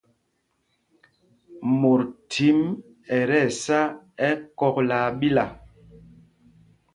Mot thím ɛ tí ɛsá ɛkɔ̂k laa ɓila.